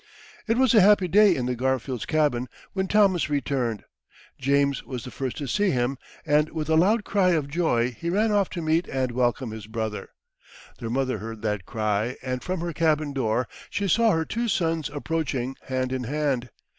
It was a happy day in the Garfields' cabin when Thomas returned. James was the first to see him, and with a loud cry of joy he ran off to meet and welcome his brother. Their mother heard that cry, and from her cabin door she saw her two sons approaching hand in hand.